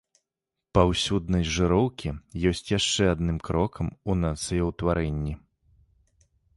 Паўсюднасць жыроўкі ёсць яшчэ адным крокам у нацыяўтварэнні.